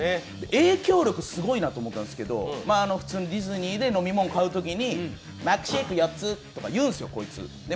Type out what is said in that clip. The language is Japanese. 影響力すごいなと思ったんですけど、普通にディズニーで飲み物買うときに、マックシェイク４つとか言うんです